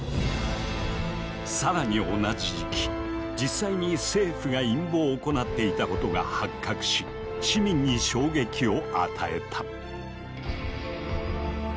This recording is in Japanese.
更に同じ時期実際に政府が陰謀を行っていたことが発覚し市民に衝撃を与えた。